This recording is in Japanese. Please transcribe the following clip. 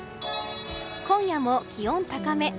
今夜も気温高め。